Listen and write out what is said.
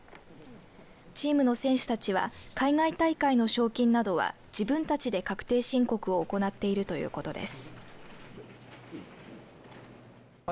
チームの選手たちは海外大会の賞金などは自分たちで確定申告を行っているということです。